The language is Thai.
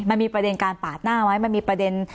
มันมีประเด็นการปาดหน้าไหมมันมีประเด็น